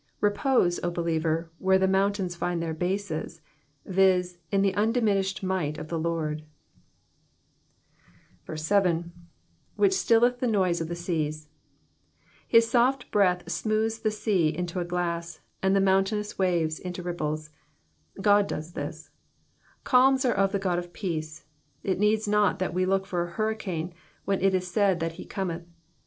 Repose, O believer, where the moimtains find their bases — viz., in the undiminished miffht of the Lord God. 7. '^ Which etuleth the noiee of the eeae,'^ His soft breath smooths the sea Digitized by VjOOQIC 164 EXPOSITIONS OF THE PSALMS. into a glass, and the mountainous waves into ripples. God does this. Calms are of the God of peace ; it needs not that we look for a hurricane when it is said that he cometh.